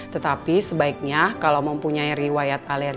tetapi sebaiknya kalau mempunyai riwayat alergi pada saat hamil